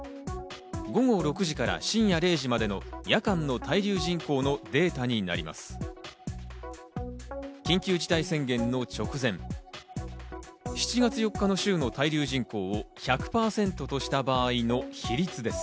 午後６時から深夜０時までの夜間の滞留人口のデータになります。